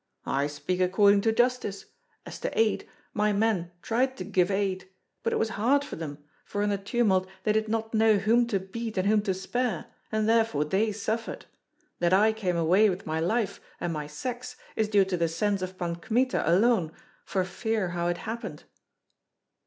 "I speak according to justice. As to aid, my men tried to give aid; but it was hard for them, for in the tumult they did not know whom to beat and whom to spare, and therefore they suffered. That I came away with my life and my sacks is due to the sense of Pan Kmita alone, for hear how it happened."